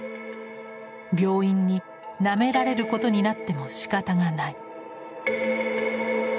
病院に「『なめられる』ことになってもしかたがない」。